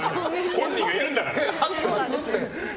本人がいるんだから。